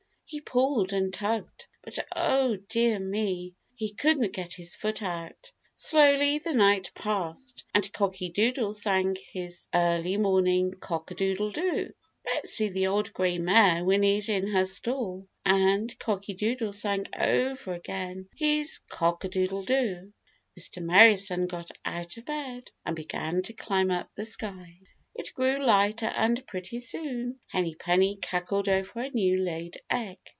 He pulled and tugged. But, oh dear me. He couldn't get his foot out. Slowly the night passed, and Cocky Doodle sang his early morning "Cock a doodle do." Betsy the Old Gray Mare whinnied in her stall and Cocky Doodle sang over again his "cock a doodle do." Mr. Merry Sun got out of bed and began to climb up the sky. It grew lighter and pretty soon Henny Penny cackled over her new laid egg.